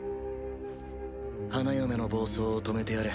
花嫁の暴走を止めてやれ。